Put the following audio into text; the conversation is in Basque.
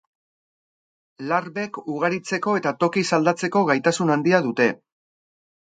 Larbek ugaritzeko eta tokiz aldatzeko gaitasun handia dute.